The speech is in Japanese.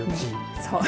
そう。